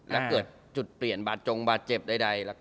และจะเปลี่ยนบาดโจงบาดเจ็บใด